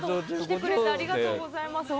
来てくれてありがとうございます。